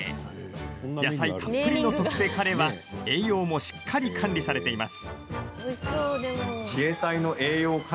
野菜たっぷりの特製カレーは栄養もしっかり管理されています。